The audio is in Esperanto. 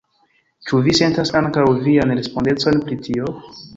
Ĉu vi sentas ankaŭ vian respondecon pri tio?